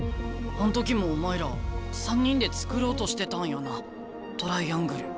あん時もお前ら３人で作ろうとしてたんやなトライアングル。